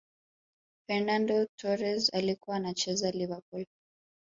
fernando torres alikuwa anacheza liverpool